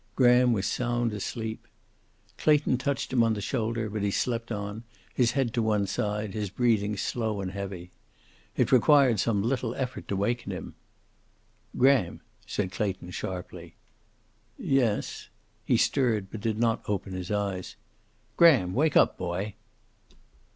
Graham was sound asleep. Clayton touched him on the shoulder, but he slept on, his head to one side, his breathing slow and heavy. It required some little effort to waken him. "Graham!" said Clayton sharply. "Yes." He stirred, but did not open his eyes. "Graham! Wake up, boy."